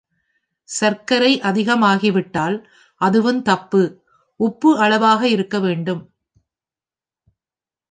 சருக்கரை அதிகம் ஆகிவிட்டால் அதுவும் தப்பு உப்பு அளவாக இருக்க வேண்டும்.